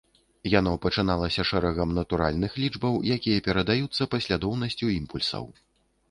Яно пачыналася шэрагам натуральных лічбаў, якія перадаюцца паслядоўнасцю імпульсаў.